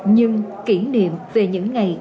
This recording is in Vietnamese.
nhưng kỷ niệm về những ngày